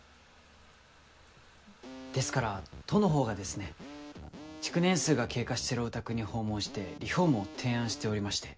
ですから都の方がですね築年数が経過してるお宅に訪問してリフォームを提案しておりまして。